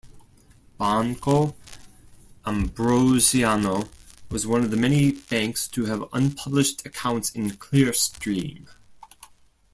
Banco Ambrosiano was one of the many banks to have un-published accounts in Clearstream.